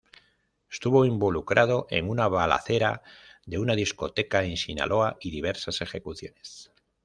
Estuvo involucrado en una balacera de una discoteca en Sinaloa y diversas ejecuciones.